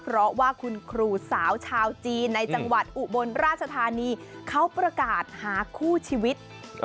เพราะว่าคุณครูสาวชาวจีนในจังหวัดอุบลราชธานีเขาประกาศหาคู่ชีวิต